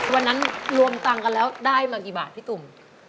รวมตังค์กันแล้วได้มากี่บาทพี่ตุ่ม